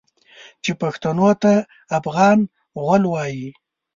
چې پښتنو ته افغان غول وايي.